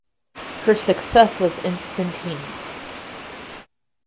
Her success was instantaneous.